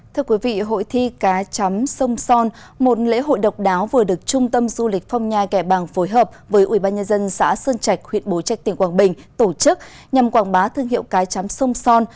thưa quý vị hội thi cá chấm sông son một lễ hội độc đáo vừa được trung tâm du lịch phong nha kẻ bàng phối hợp với ubnd xã sơn trạch huyện bố trạch tỉnh quảng bình tổ chức nhằm quảng bá thương hiệu cá chắm sông son